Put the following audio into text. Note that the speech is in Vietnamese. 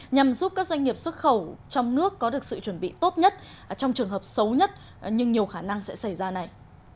nhằm giúp các doanh nghiệp xuất khẩu trong nước có được sự chuẩn bị tốt nhất trong trường hợp xấu nhất nhưng nhiều khả năng sẽ xảy ra này